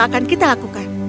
yang akan kita lakukan